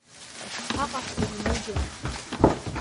Ишԥаҟаҳҵари, Муџьа?